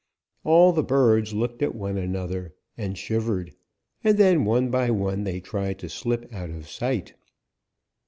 "All the birds looked at one another and shivered, and then one by one they tried to slip out of sight.